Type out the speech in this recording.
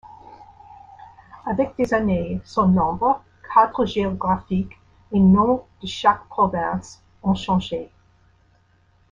Avec des années, son nombre, cadre géographique, et nom de chaque province, ont changé.